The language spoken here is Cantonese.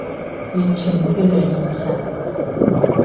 完全脫離現實